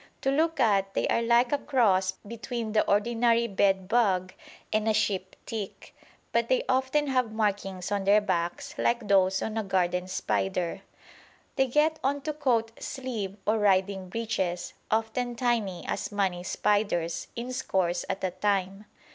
To look at they are like a cross between the ordinary bed bug and a sheep tick, but they often have markings on their backs like those on a garden spider. They get on to coat sleeve or riding breeches, often tiny as money spiders, in scores at a time.